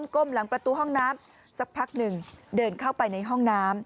ก้มหลังประตูห้องน้ำสักพักหนึ่งเดินเข้าไปในห้องน้ำ